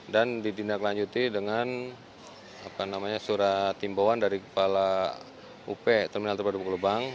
dan dididaklanjuti dengan surat timbawan dari kepala up terminal terpadu pulau gebang